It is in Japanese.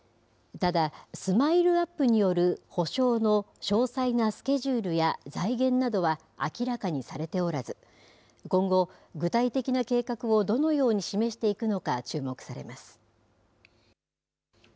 ただ、ＳＭＩＬＥーＵＰ．による補償の詳細なスケジュールや財源などは明らかにされておらず、今後、具体的な計画をどのように示していくのか、注目されます。